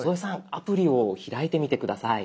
アプリを開いてみて下さい。